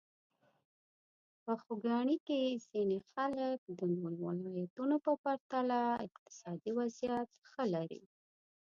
په خوږیاڼي کې ځینې خلک د نورو ولایتونو په پرتله اقتصادي وضعیت ښه لري.